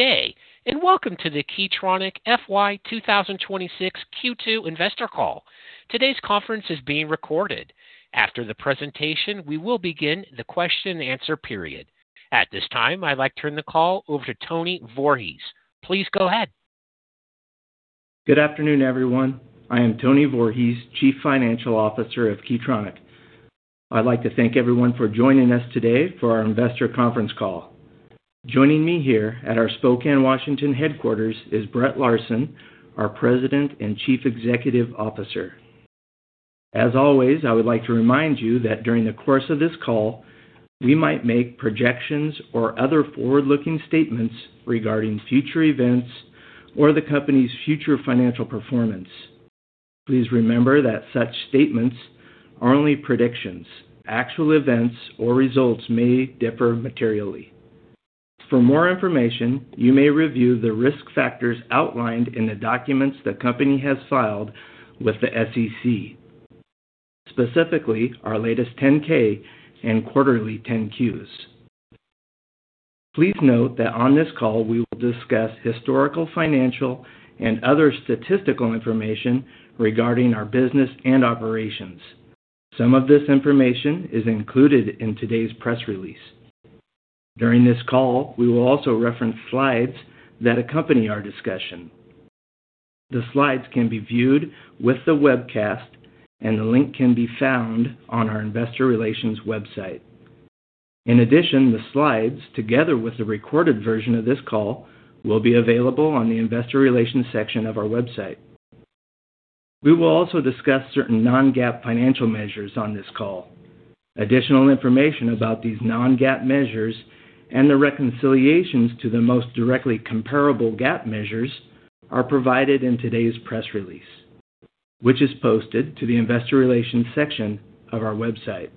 Day and welcome to the Key Tronic FY 2026 Q2 investor call. Today's conference is being recorded. After the presentation, we will begin the question-and-answer period. At this time, I'd like to turn the call over to Tony Voorhees. Please go ahead. Good afternoon, everyone. I am Tony Voorhees, Chief Financial Officer of Key Tronic. I'd like to thank everyone for joining us today for our investor conference call. Joining me here at our Spokane, Washington headquarters is Brett Larsen, our President and Chief Executive Officer. As always, I would like to remind you that during the course of this call, we might make projections or other forward-looking statements regarding future events or the company's future financial performance. Please remember that such statements are only predictions. Actual events or results may differ materially. For more information, you may review the risk factors outlined in the documents the company has filed with the SEC, specifically our latest 10-K and quarterly 10-Qs. Please note that on this call, we will discuss historical financial and other statistical information regarding our business and operations. Some of this information is included in today's press release. During this call, we will also reference slides that accompany our discussion. The slides can be viewed with the webcast, and the link can be found on our investor relations website. In addition, the slides, together with the recorded version of this call, will be available on the investor relations section of our website. We will also discuss certain Non-GAAP financial measures on this call. Additional information about these Non-GAAP measures and the reconciliations to the most directly comparable GAAP measures are provided in today's press release, which is posted to the investor relations section of our website.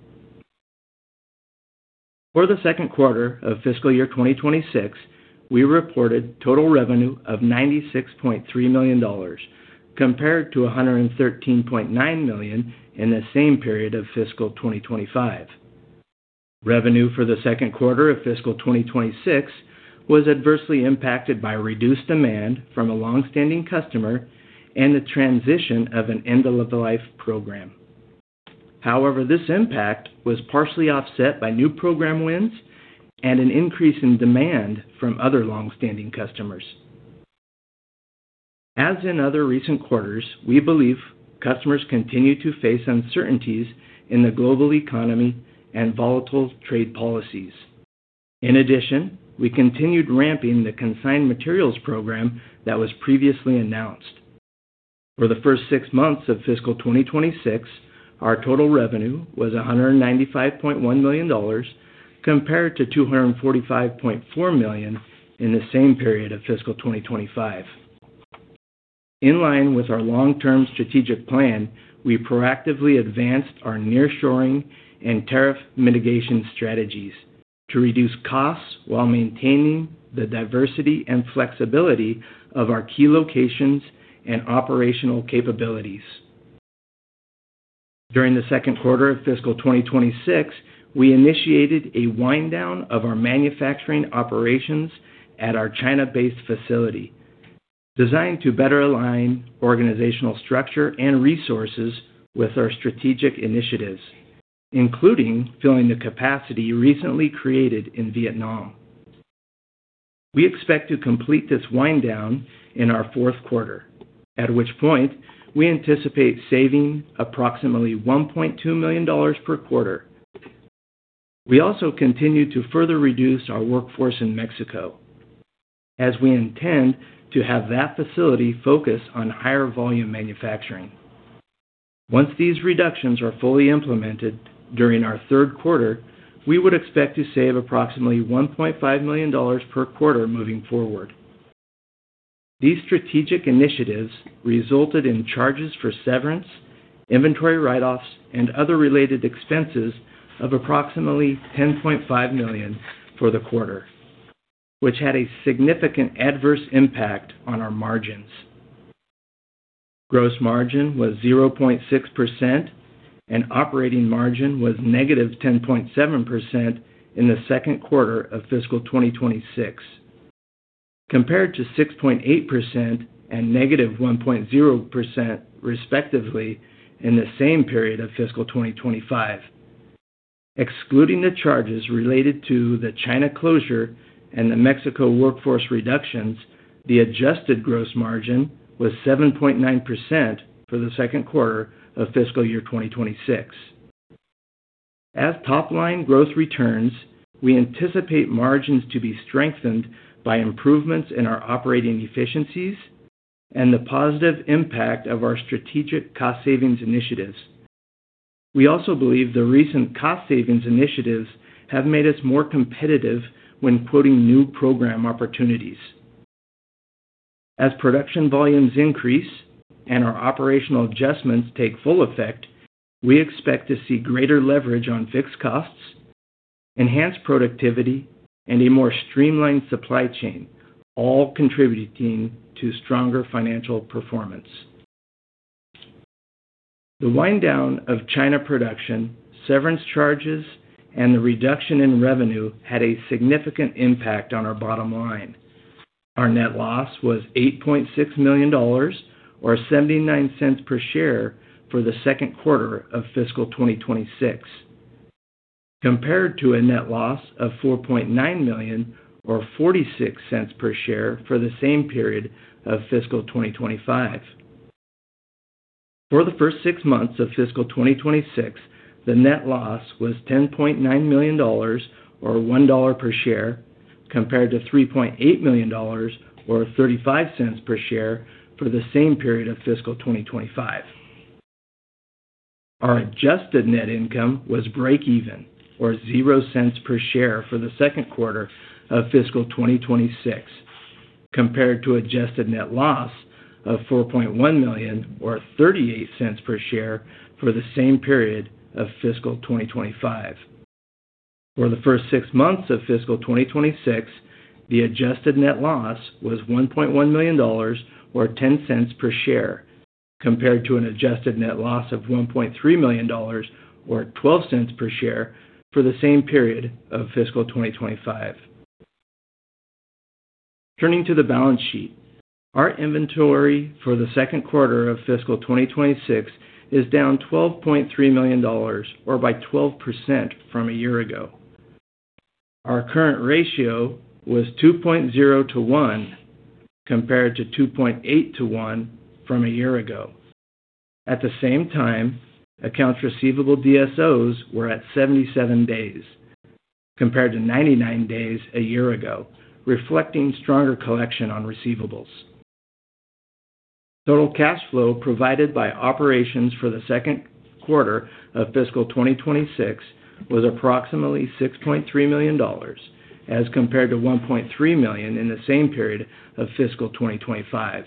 For the second quarter of fiscal year 2026, we reported total revenue of $96.3 million compared to $113.9 million in the same period of fiscal 2025. Revenue for the second quarter of fiscal year 2026 was adversely impacted by reduced demand from a longstanding customer and the transition of an End-of-Life program. However, this impact was partially offset by new program wins and an increase in demand from other longstanding customers. As in other recent quarters, we believe customers continue to face uncertainties in the global economy and volatile trade policies. In addition, we continued ramping the consigned materials program that was previously announced. For the first six months of fiscal 2026, our total revenue was $195.1 million compared to $245.4 million in the same period of fiscal 2025. In line with our long-term strategic plan, we proactively advanced our nearshoring and tariff mitigation strategies to reduce costs while maintaining the diversity and flexibility of our key locations and operational capabilities. During the second quarter of fiscal 2026, we initiated a wind down of our manufacturing operations at our China-based facility designed to better align organizational structure and resources with our strategic initiatives, including filling the capacity recently created in Vietnam. We expect to complete this wind down in our fourth quarter, at which point we anticipate saving approximately $1.2 million per quarter. We also continue to further reduce our workforce in Mexico, as we intend to have that facility focus on higher volume manufacturing. Once these reductions are fully implemented during our third quarter, we would expect to save approximately $1.5 million per quarter moving forward. These strategic initiatives resulted in charges for severance, inventory write-offs, and other related expenses of approximately $10.5 million for the quarter, which had a significant adverse impact on our margins. Gross margin was 0.6%, and operating margin was -10.7% in the second quarter of fiscal 2026, compared to 6.8% and -1.0% respectively in the same period of fiscal 2025. Excluding the charges related to the China closure and the Mexico workforce reductions, the adjusted gross margin was 7.9% for the second quarter of fiscal year 2026. As top-line growth returns, we anticipate margins to be strengthened by improvements in our operating efficiencies and the positive impact of our strategic cost-savings initiatives. We also believe the recent cost-savings initiatives have made us more competitive when quoting new program opportunities. As production volumes increase and our operational adjustments take full effect, we expect to see greater leverage on fixed costs, enhanced productivity, and a more streamlined supply chain, all contributing to stronger financial performance. The winding down of China production, severance charges, and the reduction in revenue had a significant impact on our bottom line. Our net loss was $8.6 million or $0.79 per share for the second quarter of fiscal 2026, compared to a net loss of $4.9 million or $0.46 per share for the same period of fiscal 2025. For the first six months of fiscal 2026, the net loss was $10.9 million or $1 per share, compared to $3.8 million or $0.35 per share for the same period of fiscal 2025. Our adjusted net income was break-even or $0 per share for the second quarter of fiscal 2026, compared to adjusted net loss of $4.1 million or $0.38 per share for the same period of fiscal 2025. For the first six months of fiscal 2026, the adjusted net loss was $1.1 million or $0.10 per share, compared to an adjusted net loss of $1.3 million or $0.12 per share for the same period of fiscal 2025. Turning to the balance sheet, our inventory for the second quarter of fiscal 2026 is down $12.3 million or by 12% from a year ago. Our current ratio was 2.0 to 1, compared to 2.8 to 1 from a year ago. At the same time, accounts receivable DSOs were at 77 days, compared to 99 days a year ago, reflecting stronger collection on receivables. Total cash flow provided by operations for the second quarter of fiscal 2026 was approximately $6.3 million as compared to $1.3 million in the same period of fiscal 2025.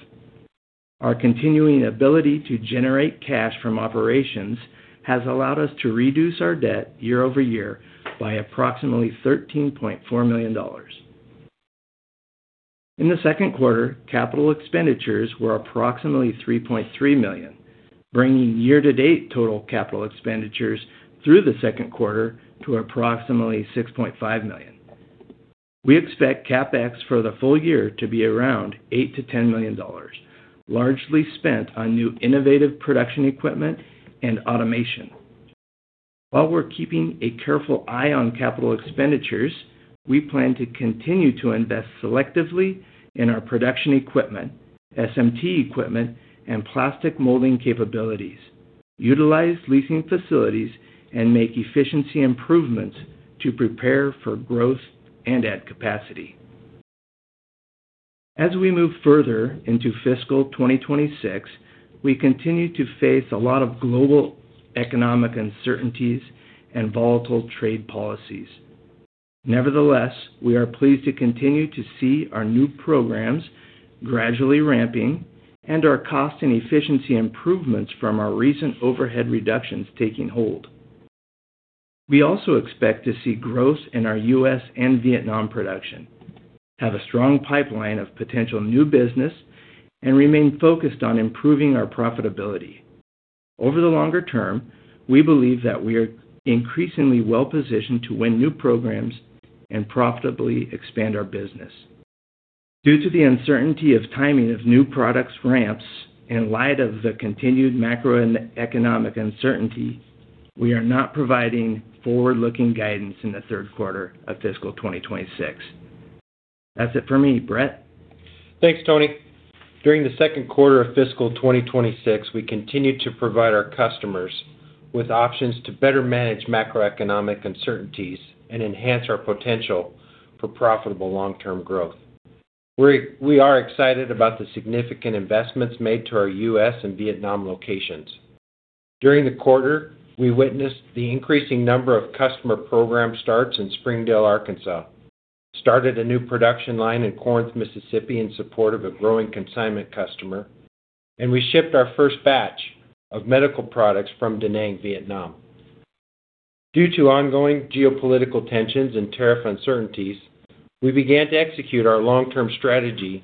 Our continuing ability to generate cash from operations has allowed us to reduce our debt year-over-year by approximately $13.4 million. In the second quarter, capital expenditures were approximately $3.3 million, bringing year-to-date total capital expenditures through the second quarter to approximately $6.5 million. We expect CapEx for the full year to be around $8-$10 million, largely spent on new innovative production equipment and automation. While we're keeping a careful eye on capital expenditures, we plan to continue to invest selectively in our production equipment, SMT equipment, and plastic molding capabilities, utilize leasing facilities, and make efficiency improvements to prepare for growth and add capacity. As we move further into fiscal 2026, we continue to face a lot of global economic uncertainties and volatile trade policies. Nevertheless, we are pleased to continue to see our new programs gradually ramping and our cost and efficiency improvements from our recent overhead reductions taking hold. We also expect to see growth in our U.S. and Vietnam production, have a strong pipeline of potential new business, and remain focused on improving our profitability. Over the longer term, we believe that we are increasingly well-positioned to win new programs and profitably expand our business. Due to the uncertainty of timing of new products ramps in light of the continued macroeconomic uncertainty, we are not providing forward-looking guidance in the third quarter of fiscal 2026. That's it for me, Brett. Thanks, Tony. During the second quarter of fiscal 2026, we continue to provide our customers with options to better manage macroeconomic uncertainties and enhance our potential for profitable long-term growth. We are excited about the significant investments made to our U.S. and Vietnam locations. During the quarter, we witnessed the increasing number of customer program starts in Springdale, Arkansas, started a new production line in Corinth, Mississippi, in support of a growing consignment customer, and we shipped our first batch of medical products from Da Nang, Vietnam. Due to ongoing geopolitical tensions and tariff uncertainties, we began to execute our long-term strategy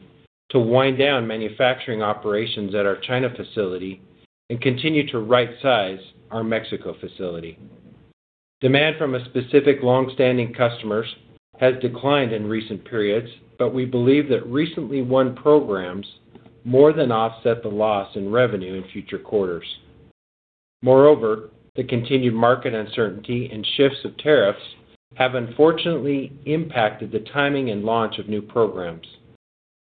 to wind down manufacturing operations at our China facility and continue to right-size our Mexico facility. Demand from specific longstanding customers has declined in recent periods, but we believe that recently won programs more than offset the loss in revenue in future quarters. Moreover, the continued market uncertainty and shifts of tariffs have unfortunately impacted the timing and launch of new programs,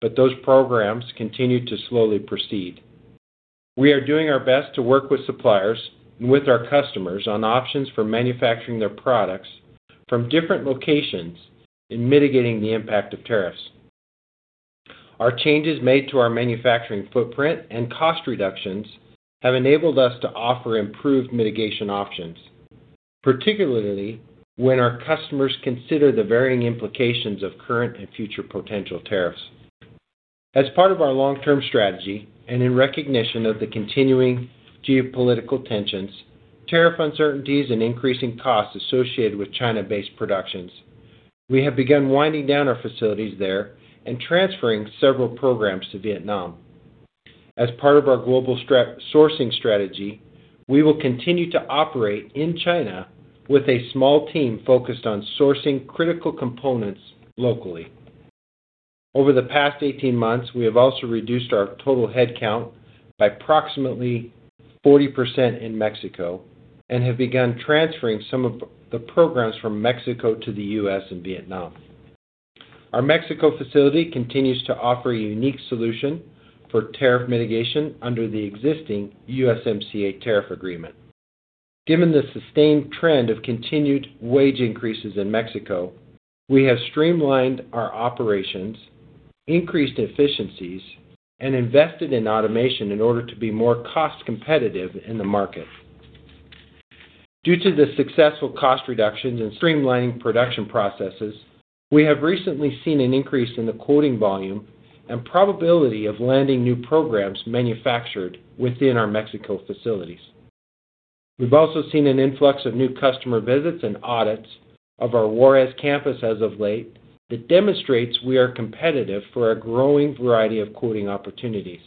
but those programs continue to slowly proceed. We are doing our best to work with suppliers and with our customers on options for manufacturing their products from different locations and mitigating the impact of tariffs. Our changes made to our manufacturing footprint and cost reductions have enabled us to offer improved mitigation options, particularly when our customers consider the varying implications of current and future potential tariffs. As part of our long-term strategy and in recognition of the continuing geopolitical tensions, tariff uncertainties, and increasing costs associated with China-based productions, we have begun winding down our facilities there and transferring several programs to Vietnam. As part of our global sourcing strategy, we will continue to operate in China with a small team focused on sourcing critical components locally. Over the past 18 months, we have also reduced our total headcount by approximately 40% in Mexico and have begun transferring some of the programs from Mexico to the U.S. and Vietnam. Our Mexico facility continues to offer a unique solution for tariff mitigation under the existing USMCA tariff agreement. Given the sustained trend of continued wage increases in Mexico, we have streamlined our operations, increased efficiencies, and invested in automation in order to be more cost-competitive in the market. Due to the successful cost reductions and streamlining production processes, we have recently seen an increase in the quoting volume and probability of landing new programs manufactured within our Mexico facilities. We've also seen an influx of new customer visits and audits of our Juarez campus as of late that demonstrates we are competitive for a growing variety of quoting opportunities.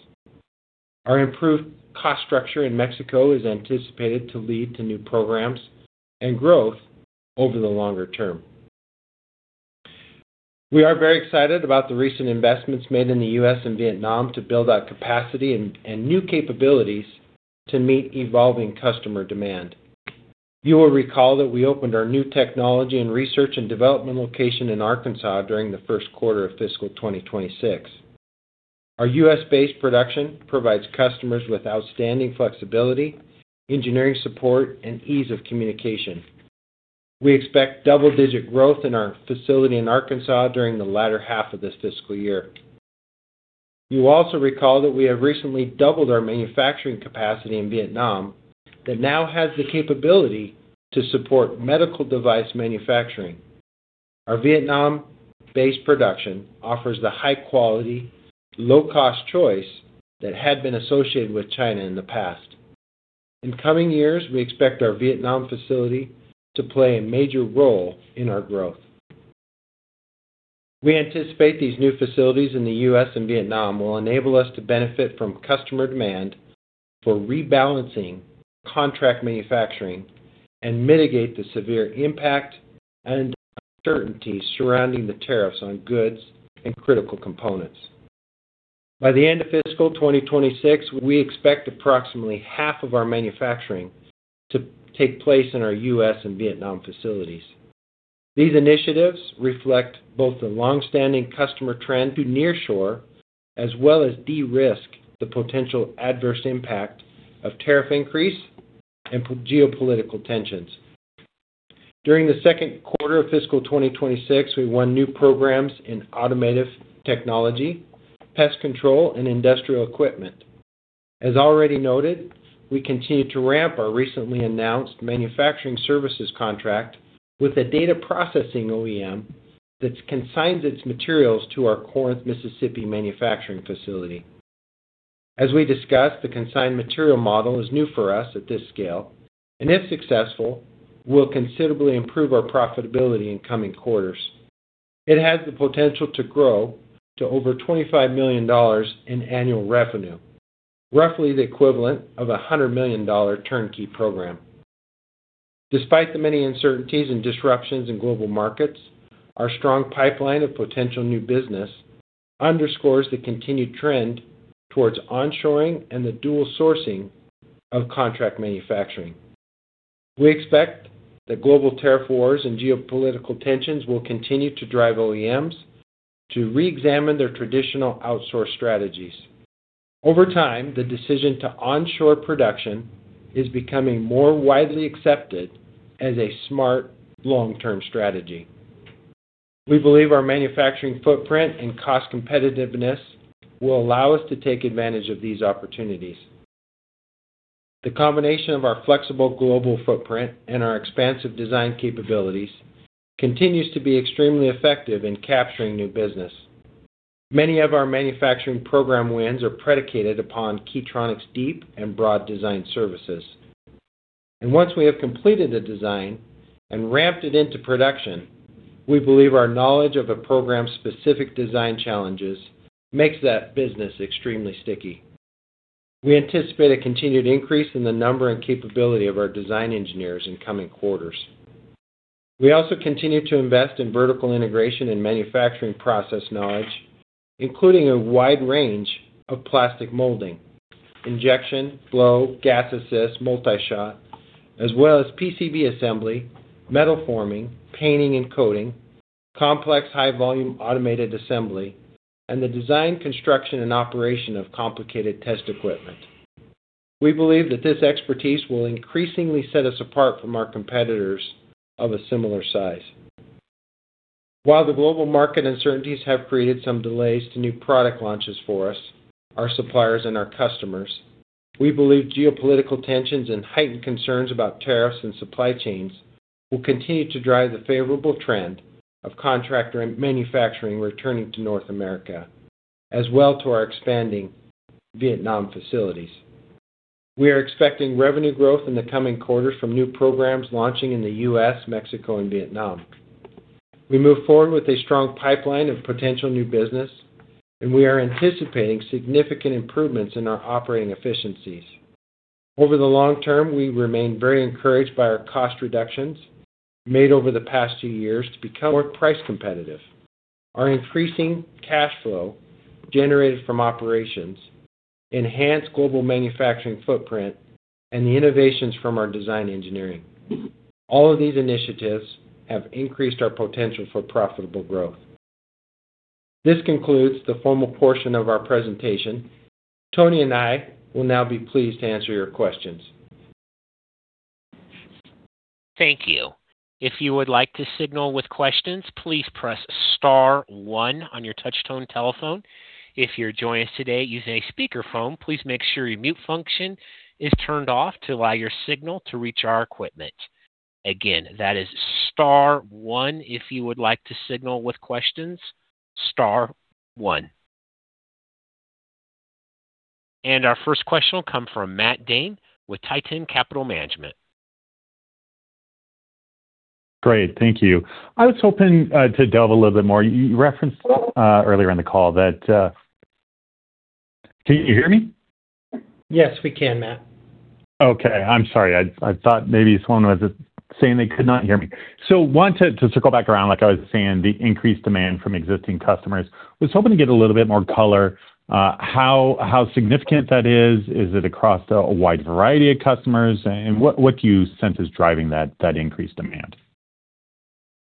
Our improved cost structure in Mexico is anticipated to lead to new programs and growth over the longer term. We are very excited about the recent investments made in the U.S. and Vietnam to build out capacity and new capabilities to meet evolving customer demand. You will recall that we opened our new technology and research and development location in Arkansas during the first quarter of fiscal 2026. Our U.S. based production provides customers with outstanding flexibility, engineering support, and ease of communication. We expect double-digit growth in our facility in Arkansas during the latter half of this fiscal year. You also recall that we have recently doubled our manufacturing capacity in Vietnam that now has the capability to support medical device manufacturing. Our Vietnam-based production offers the high-quality, low-cost choice that had been associated with China in the past. In coming years, we expect our Vietnam facility to play a major role in our growth. We anticipate these new facilities in the U.S. and Vietnam will enable us to benefit from customer demand for rebalancing contract manufacturing and mitigate the severe impact and uncertainties surrounding the tariffs on goods and critical components. By the end of fiscal 2026, we expect approximately half of our manufacturing to take place in our U.S. and Vietnam facilities. These initiatives reflect both the longstanding customer trend to nearshoring as well as de-risk the potential adverse impact of tariff increase and geopolitical tensions. During the second quarter of fiscal 2026, we won new programs in automotive technology, pest control, and industrial equipment. As already noted, we continue to ramp our recently announced manufacturing services contract with a data processing OEM that consigns its materials to our Corinth, Mississippi manufacturing facility. As we discussed, the consigned material model is new for us at this scale, and if successful, will considerably improve our profitability in coming quarters. It has the potential to grow to over $25 million in annual revenue, roughly the equivalent of a $100 million turnkey program. Despite the many uncertainties and disruptions in global markets, our strong pipeline of potential new business underscores the continued trend towards onshoring and the dual sourcing of contract manufacturing. We expect that global tariff wars and geopolitical tensions will continue to drive OEMs to reexamine their traditional outsource strategies. Over time, the decision to onshore production is becoming more widely accepted as a smart long-term strategy. We believe our manufacturing footprint and cost-competitiveness will allow us to take advantage of these opportunities. The combination of our flexible global footprint and our expansive design capabilities continues to be extremely effective in capturing new business. Many of our manufacturing program wins are predicated upon Key Tronic's deep and broad design services. And once we have completed a design and ramped it into production, we believe our knowledge of a program's specific design challenges makes that business extremely sticky. We anticipate a continued increase in the number and capability of our design engineers in coming quarters. We also continue to invest in vertical integration and manufacturing process knowledge, including a wide range of plastic molding, injection, blow, gas assist, multi-shot, as well as PCB assembly, metal forming, painting, and coating, complex high-volume automated assembly, and the design, construction, and operation of complicated test equipment. We believe that this expertise will increasingly set us apart from our competitors of a similar size. While the global market uncertainties have created some delays to new product launches for us, our suppliers, and our customers, we believe geopolitical tensions and heightened concerns about tariffs and supply chains will continue to drive the favorable trend of contract manufacturing returning to North America as well to our expanding Vietnam facilities. We are expecting revenue growth in the coming quarters from new programs launching in the U.S., Mexico, and Vietnam. We move forward with a strong pipeline of potential new business, and we are anticipating significant improvements in our operating efficiencies. Over the long term, we remain very encouraged by our cost reductions made over the past two years to become more price competitive. Our increasing cash flow generated from operations enhances global manufacturing footprint and the innovations from our design engineering. All of these initiatives have increased our potential for profitable growth. This concludes the formal portion of our presentation. Tony and I will now be pleased to answer your questions. Thank you. If you would like to signal with questions, please press star one on your touch tone telephone. If you're joining us today using a speakerphone, please make sure your mute function is turned off to allow your signal to reach our equipment. Again, that is star one if you would like to signal with questions, star one. And our first question will come from Matt Dane with Titan Capital Management. Great. Thank you. I was hoping to delve a little bit more. You referenced earlier in the call that. Can you hear me? Yes, we can, Matt. Okay. I'm sorry. I thought maybe someone was saying they could not hear me. So, want to circle back around, like I was saying, the increased demand from existing customers. I was hoping to get a little bit more color. How significant that is? Is it across a wide variety of customers? And what do you sense is driving that increased demand?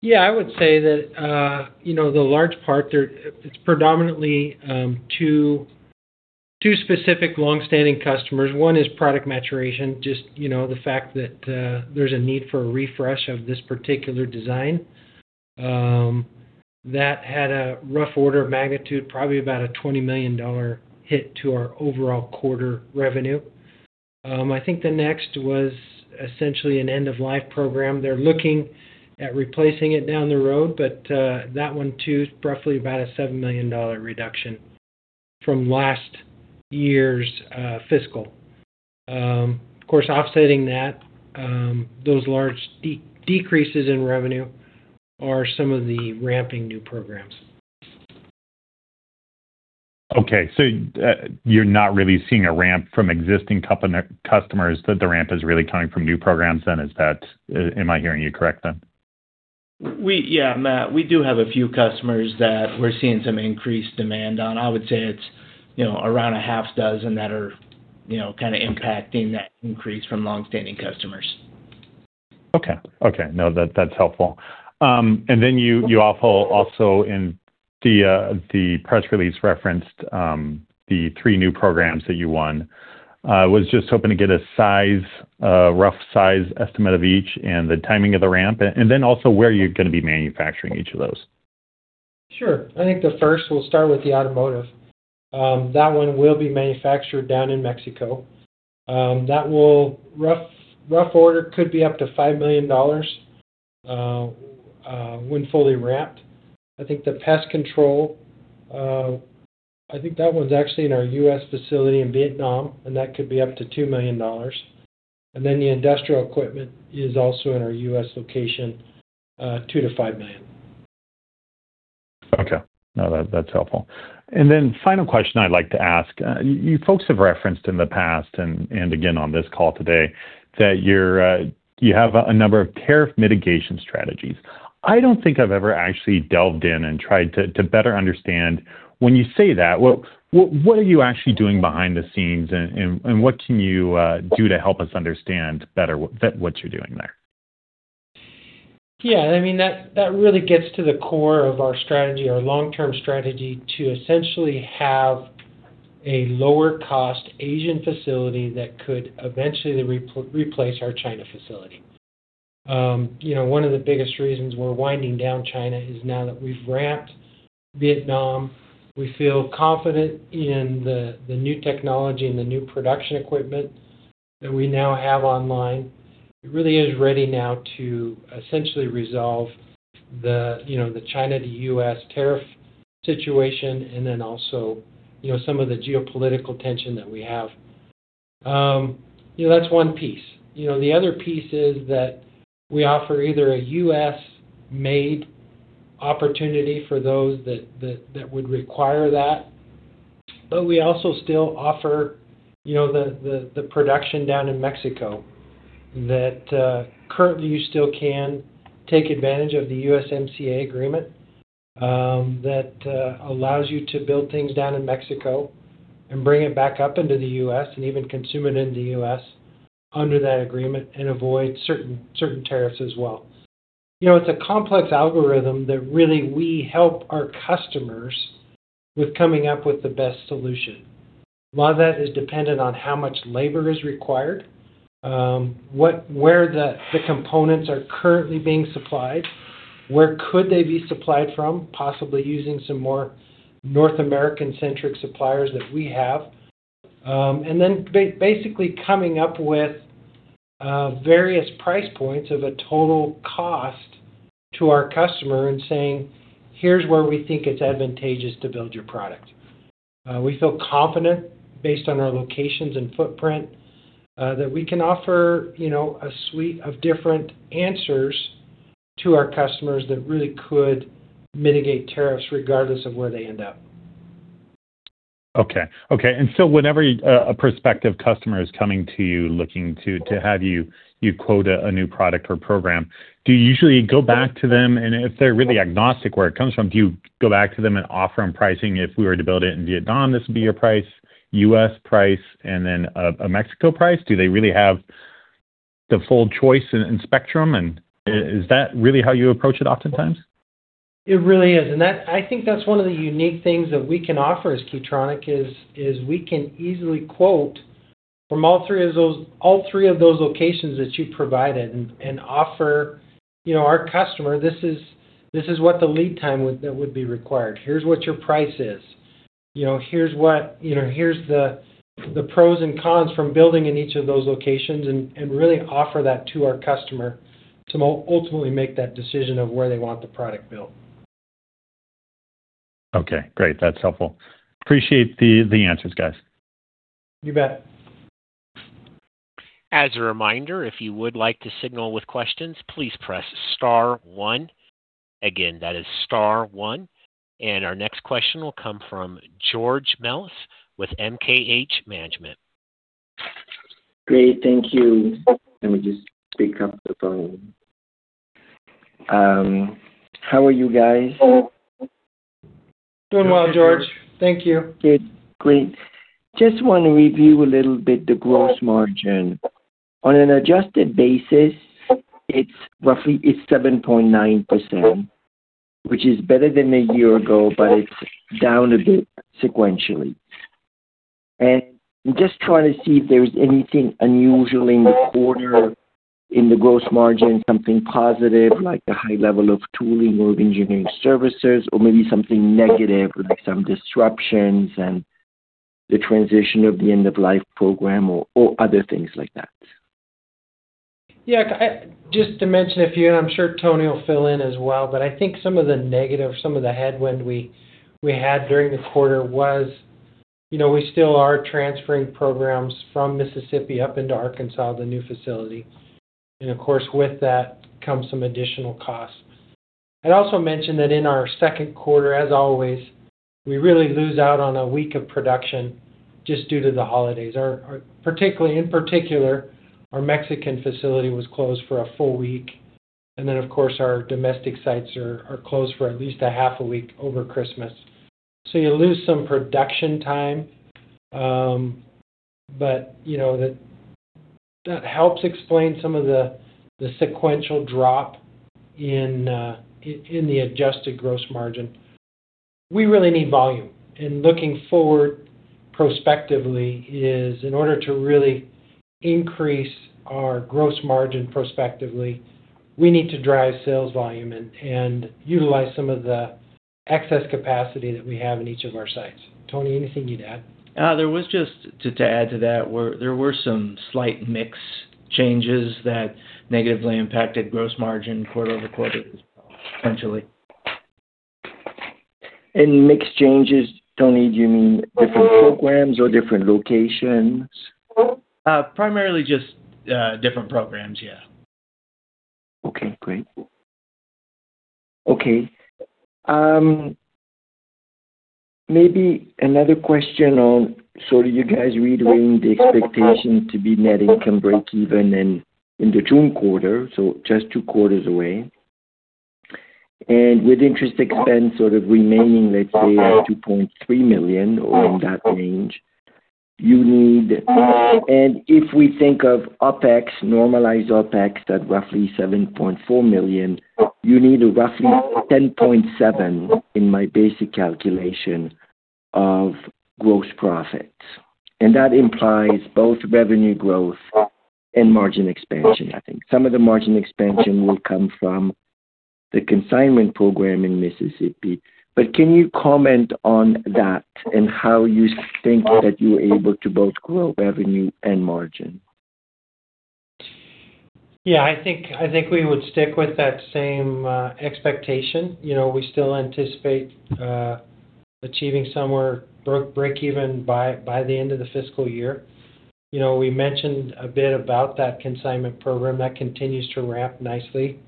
Yeah. I would say that the large part, it's predominantly two specific longstanding customers. One is product maturation, just the fact that there's a need for a refresh of this particular design. That had a rough order of magnitude, probably about a $20 million hit to our overall quarter revenue. I think the next was essentially an end-of-life program. They're looking at replacing it down the road, but that one too, roughly about a $7 million reduction from last year's fiscal. Of course, offsetting that, those large decreases in revenue are some of the ramping new programs. Okay. So you're not really seeing a ramp from existing customers, that the ramp is really coming from new programs then? Am I hearing you correct then? Yeah, Matt. We do have a few customers that we're seeing some increased demand on. I would say it's around 6 that are kind of impacting that increase from longstanding customers. Okay. Okay. No, that's helpful. And then you also in the press release referenced the three new programs that you won. I was just hoping to get a rough size estimate of each and the timing of the ramp and then also where you're going to be manufacturing each of those? Sure. I think the first, we'll start with the automotive. That one will be manufactured down in Mexico. That rough order could be up to $5 million when fully ramped. I think the pest control, I think that one's actually in our U.S. facility in Vietnam, and that could be up to $2 million. And then the industrial equipment is also in our U.S. location, $2-$5 million. Okay. No, that's helpful. And then final question I'd like to ask. You folks have referenced in the past and again on this call today that you have a number of tariff mitigation strategies. I don't think I've ever actually delved in and tried to better understand when you say that, what are you actually doing behind the scenes and what can you do to help us understand better what you're doing there? Yeah. I mean, that really gets to the core of our long-term strategy to essentially have a lower-cost Asian facility that could eventually replace our China facility. One of the biggest reasons we're winding down China is now that we've ramped Vietnam. We feel confident in the new technology and the new production equipment that we now have online. It really is ready now to essentially resolve the China to U.S. tariff situation and then also some of the geopolitical tension that we have. That's one piece. The other piece is that we offer either a U.S. made opportunity for those that would require that, but we also still offer the production down in Mexico. Currently, you still can take advantage of the USMCA agreement that allows you to build things down in Mexico and bring it back up into the U.S. and even consume it in the U.S. under that agreement and avoid certain tariffs as well. It's a complex algorithm that really we help our customers with coming up with the best solution. A lot of that is dependent on how much labor is required, where the components are currently being supplied, where could they be supplied from, possibly using some more North American-centric suppliers that we have, and then basically coming up with various price points of a total cost to our customer and saying, "Here's where we think it's advantageous to build your product." We feel confident based on our locations and footprint that we can offer a suite of different answers to our customers that really could mitigate tariffs regardless of where they end up. Okay. Okay. And so whenever a prospective customer is coming to you looking to have you quote a new product or program, do you usually go back to them? And if they're really agnostic where it comes from, do you go back to them and offer them pricing? If we were to build it in Vietnam, this would be your price, U.S. price, and then a Mexico price? Do they really have the full choice and spectrum? And is that really how you approach it oftentimes? It really is. And I think that's one of the unique things that we can offer as Key Tronic is we can easily quote from all three of those locations that you provided and offer our customer, "This is what the lead time that would be required. Here's what your price is. Here's what the pros and cons from building in each of those locations," and really offer that to our customer to ultimately make that decision of where they want the product built. Okay. Great. That's helpful. Appreciate the answers, guys. You bet. As a reminder, if you would like to signal with questions, please press star one. Again, that is star one. Our next question will come from George Melas with MKH Management. Great. Thank you. Let me just pick up the phone. How are you guys? Doing well, George. Thank you. Good. Great. Just want to review a little bit the Gross Margin. On an adjusted basis, it's 7.9%, which is better than a year ago, but it's down a bit sequentially. I'm just trying to see if there's anything unusual in the quarter in the Gross Margin, something positive like the high level of tooling or engineering services, or maybe something negative like some disruptions and the transition of the end-of-life program or other things like that. Yeah. Just to mention a few, and I'm sure Tony will fill in as well, but I think some of the negative, some of the headwind we had during the quarter was we still are transferring programs from Mississippi up into Arkansas, the new facility. And of course, with that comes some additional costs. I'd also mention that in our second quarter, as always, we really lose out on a week of production just due to the holidays. In particular, our Mexican facility was closed for a full week. And then, of course, our domestic sites are closed for at least a half a week over Christmas. So you lose some production time, but that helps explain some of the sequential drop in the adjusted gross margin. We really need volume. Looking forward prospectively, in order to really increase our gross margin prospectively, we need to drive sales volume and utilize some of the excess capacity that we have in each of our sites. Tony, anything you'd add? There was just to add to that, there were some slight mix changes that negatively impacted gross margin quarter-over-quarter as well, essentially. Mixed changes, Tony, do you mean different programs or different locations? Primarily just different programs, yeah. Okay. Great. Okay. Maybe another question, so do you guys are heading in the expectation to be net income breakeven in the June quarter, so just 2 quarters away? And with interest expense sort of remaining, let's say, at $2.3 million or in that range, you need, and if we think of normalized OpEx at roughly $7.4 million, you need a roughly $10.7 million in my basic calculation of gross profits. And that implies both revenue growth and margin expansion, I think. Some of the margin expansion will come from the consigned program in Mississippi. But can you comment on that and how you think that you're able to both grow revenue and margin? Yeah. I think we would stick with that same expectation. We still anticipate achieving somewhere break-even by the end of the fiscal year. We mentioned a bit about that consignment program. That continues to ramp nicely.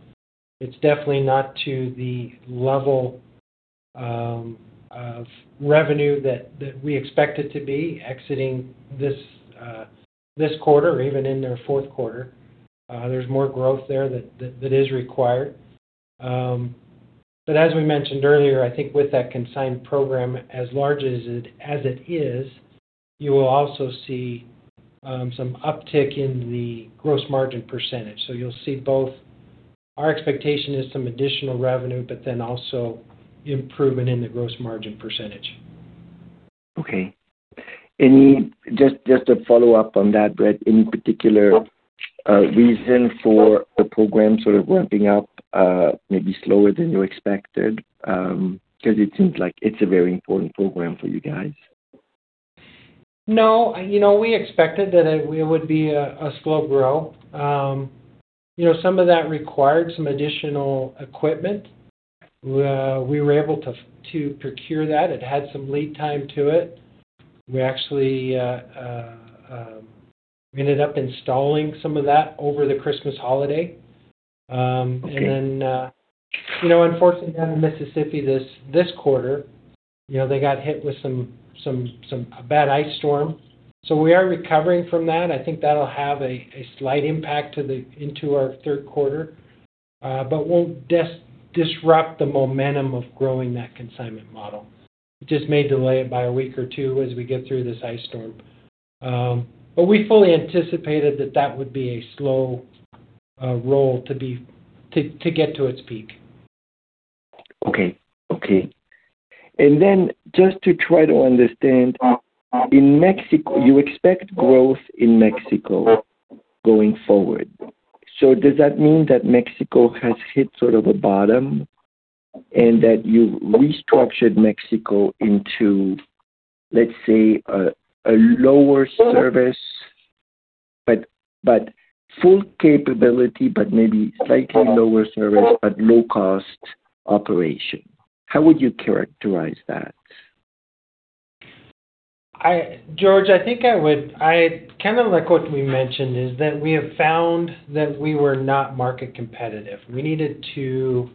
It's definitely not to the level of revenue that we expect it to be exiting this quarter or even in their fourth quarter. There's more growth there that is required. But as we mentioned earlier, I think with that consigned program, as large as it is, you will also see some uptick in the gross margin percentage. So you'll see both our expectation is some additional revenue, but then also improvement in the gross margin percentage. Okay. Just to follow up on that, Brett, any particular reason for the program sort of ramping up maybe slower than you expected? Because it seems like it's a very important program for you guys. No. We expected that it would be a slow growth. Some of that required some additional equipment. We were able to procure that. It had some lead time to it. We actually ended up installing some of that over the Christmas holiday. And then, unfortunately, down in Mississippi this quarter, they got hit with a bad ice storm. So we are recovering from that. I think that'll have a slight impact into our third quarter but won't disrupt the momentum of growing that consignment model. It just may delay it by a week or two as we get through this ice storm. But we fully anticipated that that would be a slow roll to get to its peak. Okay. Okay. And then just to try to understand, you expect growth in Mexico going forward. So does that mean that Mexico has hit sort of a bottom and that you've restructured Mexico into, let's say, a lower service but full capability but maybe slightly lower service but low-cost operation? How would you characterize that? George, I think I would kind of like what we mentioned is that we have found that we were not market competitive. We needed to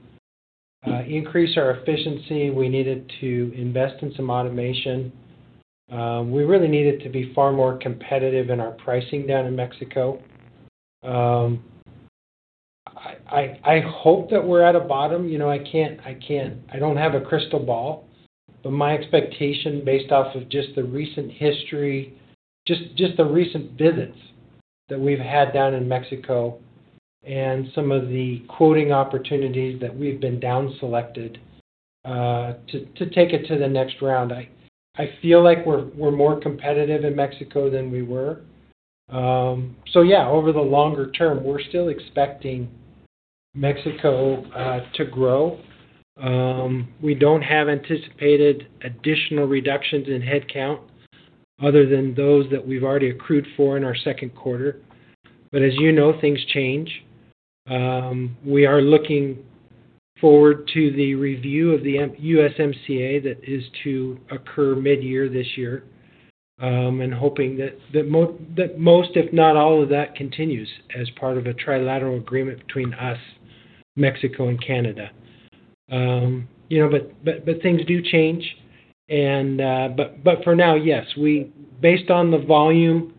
increase our efficiency. We needed to invest in some automation. We really needed to be far more competitive in our pricing down in Mexico. I hope that we're at a bottom. I don't have a crystal ball, but my expectation based off of just the recent history, just the recent visits that we've had down in Mexico and some of the quoting opportunities that we've been down selected to take it to the next round, I feel like we're more competitive in Mexico than we were. So yeah, over the longer term, we're still expecting Mexico to grow. We don't have anticipated additional reductions in headcount other than those that we've already accrued for in our second quarter. But as you know, things change. We are looking forward to the review of the USMCA that is to occur mid-year this year and hoping that most, if not all, of that continues as part of a trilateral agreement between us, Mexico, and Canada. But things do change. But for now, yes, based on the volume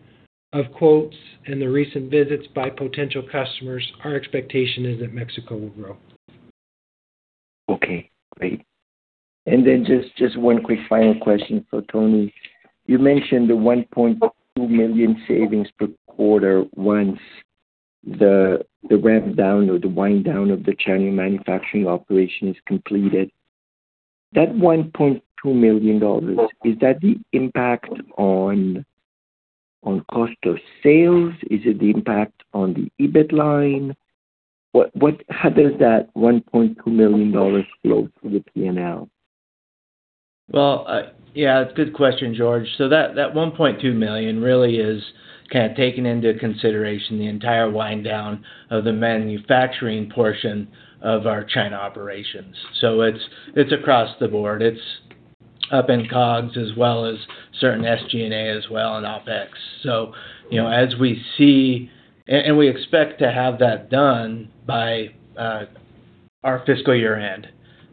of quotes and the recent visits by potential customers, our expectation is that Mexico will grow. Okay. Great. And then just one quick final question for Tony. You mentioned the $1.2 million savings per quarter once the rampdown or the winddown of the China manufacturing operation is completed. That $1.2 million, is that the impact on cost of sales? Is it the impact on the EBIT line? How does that $1.2 million flow through the P&L? Well, yeah, good question, George. So that $1.2 million really is kind of taking into consideration the entire wind-down of the manufacturing portion of our China operations. So it's across the board. It's up in COGS as well as certain SG&A as well and OpEx. So as we see and we expect to have that done by our fiscal year-end,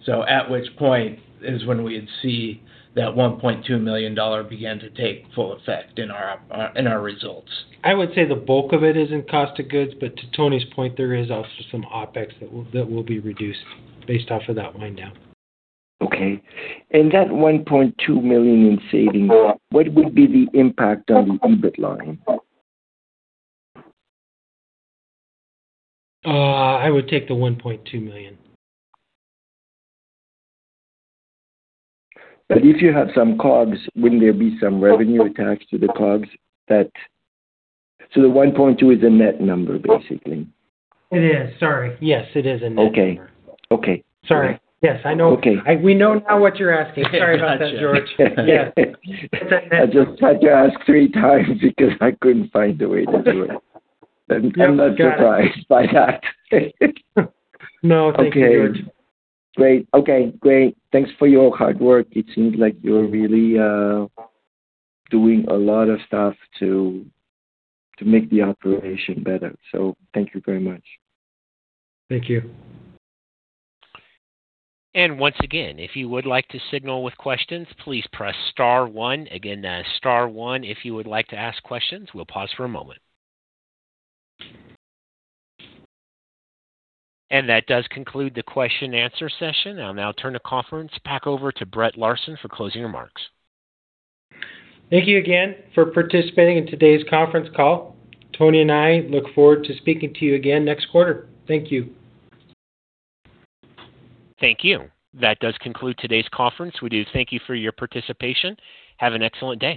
so at which point is when we'd see that $1.2 million begin to take full effect in our results? I would say the bulk of it is in cost of goods, but to Tony's point, there is also some OpEx that will be reduced based off of that wind down. Okay. That $1.2 million in savings, what would be the impact on the EBIT line? I would take the $1.2 million. But if you have some COGS, wouldn't there be some revenue attached to the COGS that the $1.2 is a net number, basically? It is. Sorry. Yes, it is a net number. Okay. Okay. Sorry. Yes, I know. We know now what you're asking. Sorry about that, George. Yes. It's a net number. I just had to ask three times because I couldn't find a way to do it. I'm not surprised by that. No, thank you, George. Okay. Great. Okay. Great. Thanks for your hard work. It seems like you're really doing a lot of stuff to make the operation better. So thank you very much. Thank you. Once again, if you would like to signal with questions, please press star one. Again, that is star one. If you would like to ask questions, we'll pause for a moment. That does conclude the question-and-answer session. I'll now turn the conference back over to Brett Larsen for closing remarks. Thank you again for participating in today's conference call. Tony and I look forward to speaking to you again next quarter. Thank you. Thank you. That does conclude today's conference. We do thank you for your participation. Have an excellent day.